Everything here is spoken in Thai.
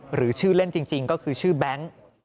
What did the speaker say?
หรือชื่อเล่นจริงก็คือชื่อแบงค์